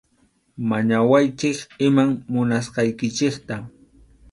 Mañawaychik iman munasqaykichikta.